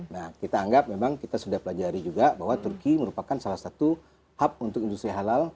nah kita anggap memang kita sudah pelajari juga bahwa turki merupakan salah satu hub untuk industri halal